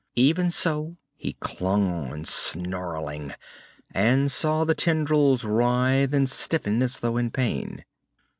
Even so, he clung on, snarling, and saw the tendrils writhe and stiffen as though in pain.